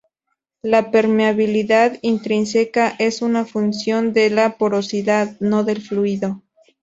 La permeabilidad intrínseca es una función de la porosidad, no del fluido.